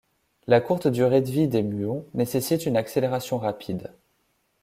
La courte durée de vie des muons nécessite une accélération rapide.